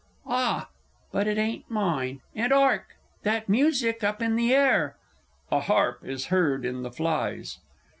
Ah, but it ain't mine and 'ark ... that music up in the air! [_A harp is heard in the flies.